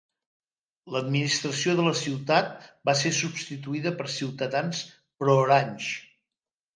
L'administració de la ciutat va ser substituïda per ciutadans pro-Orange.